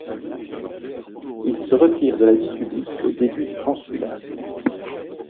Il se retire de la vie publique au début du Consulat.